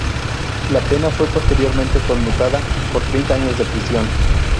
La pena fue posteriormente conmutada por treinta años de prisión.